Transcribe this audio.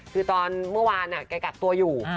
คือตอนเมื่อวานเนี่ยใกล้กัดตัวอยู่